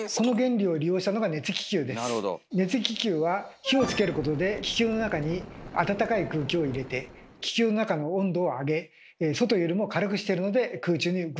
熱気球は火をつけることで気球の中にあたたかい空気を入れて気球の中の温度を上げ外よりも軽くしてるので空中に浮くのです。